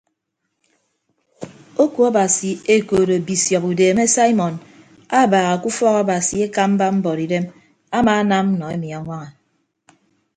Oku abasi ekoodo bisiọp udeeme saimọn abaaha ke ufọk abasi ekamba mbuọtidem amaanam nọ emi añwaña.